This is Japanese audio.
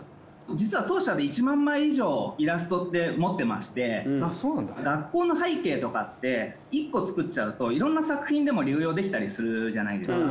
実は当社で１万枚以上イラストって持ってまして学校の背景とかって１個作っちゃうといろんな作品でも流用できたりするじゃないですか。